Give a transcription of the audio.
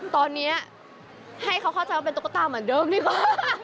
ตอนนี้ให้เขาเข้าใจว่าเป็นตุ๊กตาเหมือนเดิมดีกว่า